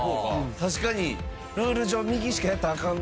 確かに！